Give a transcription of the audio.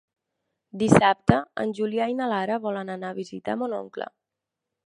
Dissabte en Julià i na Lara volen anar a visitar mon oncle.